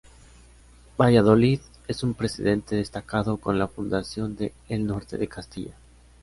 Valladolid es un precedente destacado con la fundación de El Norte de Castilla.